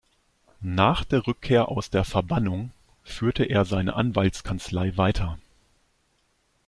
Nach der Rückkehr aus der Verbannung führte er seine Anwaltskanzlei weiter.